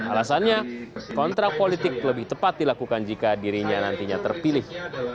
alasannya kontrak politik lebih tepat dilakukan jika dirinya nantinya terpilih